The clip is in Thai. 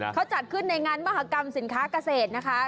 เขาจัดขึ้นในงานมหากรรมสินค้าเกษตรนะคะ